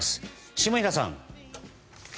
下平さん。